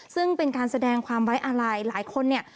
ซึ่งเป็นการแสดงความไว้อาลัยหลายคนเนี่ย